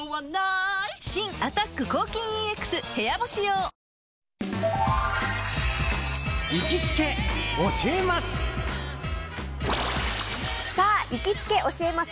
新「アタック抗菌ＥＸ部屋干し用」行きつけ教えます！